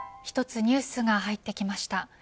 一つニュースが入ってきました。